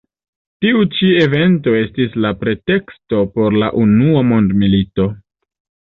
Tiu evento estis la preteksto por la Unua mondmilito.